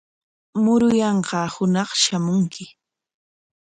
Muruyanqaa hunaq shamunki.